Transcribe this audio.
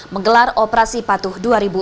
menggelar operasi patuh dua ribu enam belas